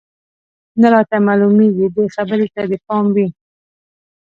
نه راته معلومېږي، دې خبرې ته دې باید پام وي.